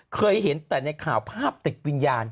เคยเห็นแต่ในข่าวภาพติดวิญญาณ